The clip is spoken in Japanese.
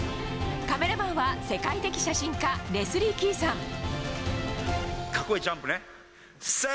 カメラマンは世界的写真家レスリー・キーさん。